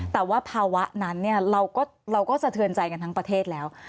แต่ว่าภาวะนั้นเราก็สะเทือนใจกันทั้งประเทศแล้ว